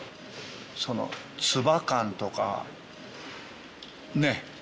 その唾感とかね